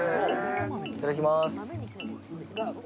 いただきまーす。